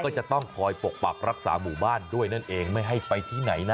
ก็จะต้องคอยปกปักรักษาหมู่บ้านด้วยนั่นเองไม่ให้ไปที่ไหนนะ